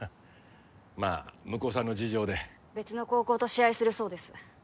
まあ向こうさんの事情で別の高校と試合するそうです